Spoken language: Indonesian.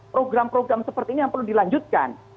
program program seperti ini yang perlu dilanjutkan